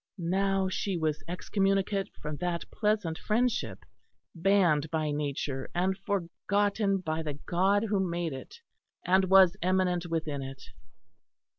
Now she was excommunicate from that pleasant friendship, banned by nature and forgotten by the God who made it and was immanent within it.